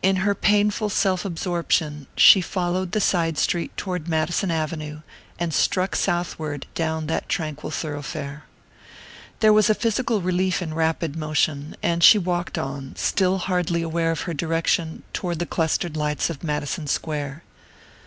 In her painful self absorption she followed the side street toward Madison Avenue, and struck southward down that tranquil thoroughfare. There was a physical relief in rapid motion, and she walked on, still hardly aware of her direction, toward the clustered lights of Madison Square.